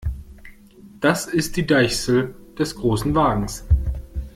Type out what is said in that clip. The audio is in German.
Das ist die Deichsel des Großen Wagens.